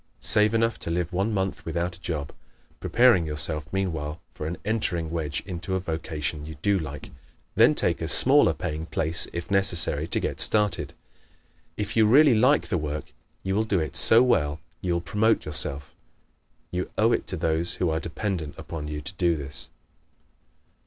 Save enough to live one month without a job, preparing yourself meanwhile for an entering wedge into a vocation you do like. Then take a smaller paying place if necessary to get started. If you really like the work you will do it so well you will promote yourself. You owe it to those who are dependent upon you to do this.